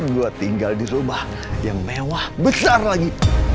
gue tinggal di rumah yang mewah besar lagi